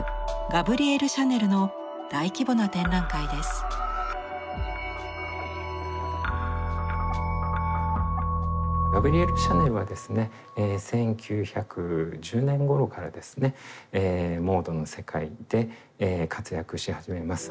ガブリエル・シャネルはですね１９１０年ごろからですねモードの世界で活躍し始めます。